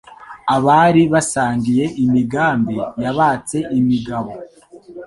Abari basangiye imigambi Yabatse imigabo.